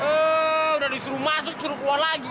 eh udah disuruh masuk disuruh keluar lagi